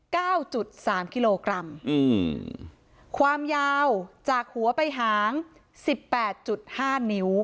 เก้าจุดสามกิโลกรัมอืมความยาวจากหัวไปหางสิบแปดจุดห้านิ้ว